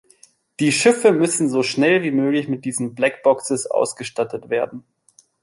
Die Schiffe müssen so schnell wie möglich mit diesen Black Boxes ausgestattet werden.